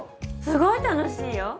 すごい楽しいよ。